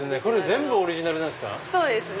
全部オリジナルなんですか？